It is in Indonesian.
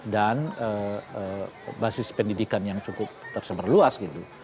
dan basis pendidikan yang cukup tersebar luas gitu